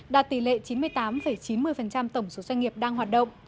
đạt tỷ lệ chín mươi tám chín mươi tổng số doanh nghiệp đang hoạt động